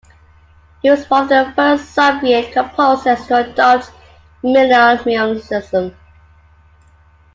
He was one of the first Soviet composers to adopt minimalism.